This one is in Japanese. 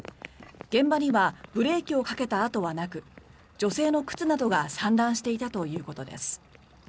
現場にはブレーキをかけた跡はなく女性の靴などが散乱していたということです。